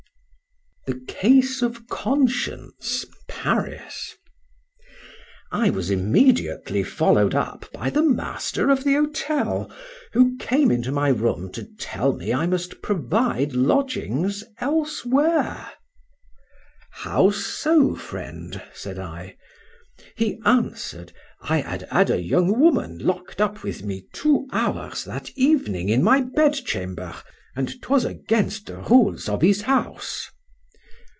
THE CASE OF CONSCIENCE. PARIS. I WAS immediately followed up by the master of the hotel, who came into my room to tell me I must provide lodgings elsewhere.—How so, friend? said I.—He answered, I had had a young woman lock'd up with me two hours that evening in my bedchamber, and 'twas against the rules of his house.